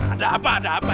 ada apa ada apa